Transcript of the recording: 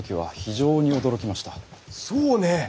そうね！